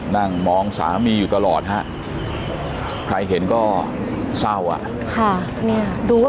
นั่งมองสามีอยู่ตลอดฮะใครเห็นก็เศร้าอ่ะ